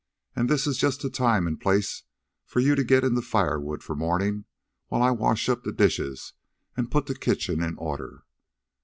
"And this is just the time and place for you to get in the firewood for morning while I wash up the dishes and put the kitchen in order."